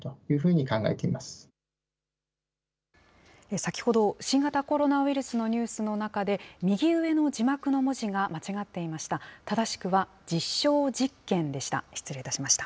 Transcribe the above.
先ほど、新型コロナウイルスのニュースの中で、右上の字幕の文字が間違っていました。